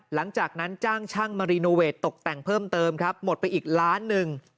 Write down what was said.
หลังจากนั้นจ้างช่างมารีโนเวทตกแต่งเพิ่มเติมครับหมดไปอีกล้านหนึ่ง